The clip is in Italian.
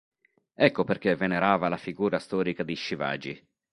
Ecco perché venerava la figura storica di Shivaji.